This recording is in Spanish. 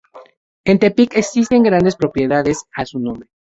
En Tepic existen grandes propiedades a su nombre.